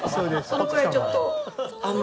そのくらいちょっと。